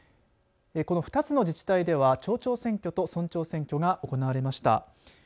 この２つの自治体では町長選挙と村長選挙が行われました。